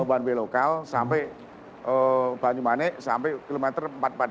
one way lokal sampai banyumanek sampai kilometer empat ratus empat puluh dua